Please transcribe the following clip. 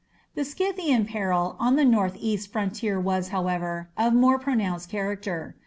The Scythian peril on the north east frontier was, however, of more pronounced character.